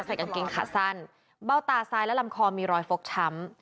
กางเกงขาสั้นเบ้าตาซ้ายและลำคอมีรอยฟกช้ำ